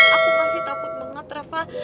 aku masih takut banget rafa